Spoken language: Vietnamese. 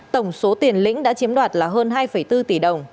tổng số tiền lĩnh đã chiếm đoạt là hơn hai bốn tỷ đồng